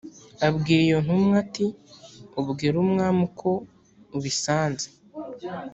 abwira iyo ntumwa ati “ubwire umwami uko ubisanze”